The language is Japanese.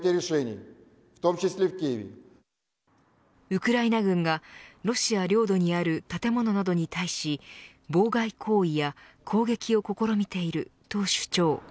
ウクライナ軍がロシア領土にある建物などに対し妨害行為や攻撃を試みていると主張。